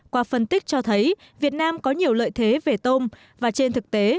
qua phân tích cho thấy việt nam có nhiều lợi thế về tôm và trên thực tế